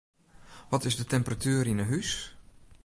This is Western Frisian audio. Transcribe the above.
Wat is de temperatuer yn 'e hús?